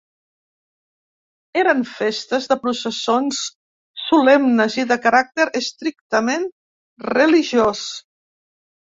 Eren festes de processons solemnes i de caràcter estrictament religiós.